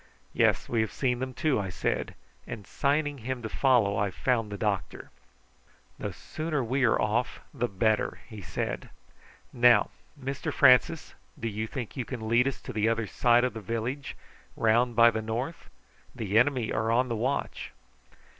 "Yes, we have seen them too," I said; and signing to him to follow, I found the doctor. "The sooner we are off the better!" he said. "Now, Mr Francis, do you think you can lead us to the other side of the village, round by the north? the enemy are on the watch."